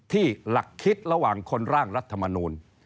ที่หลักคิดระหว่างคนร่างรัฐมนูล